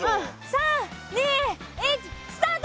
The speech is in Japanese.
３２１スタート！